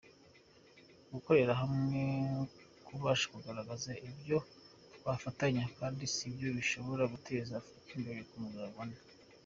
Gukorera hamwe, kubasha kugaragaza ibyo twafatanya, kandi nibyo bishobora guteza Afurika imbere nk’umugabane.